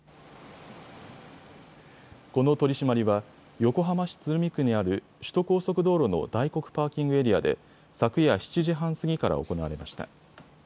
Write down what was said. この取締りは横浜市鶴見区にある首都高速道路の大黒パーキングエリアで昨夜７時半過ぎから行われました。